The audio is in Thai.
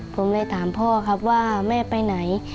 ผมเลยถามพ่อครับว่าแม่ไปไหน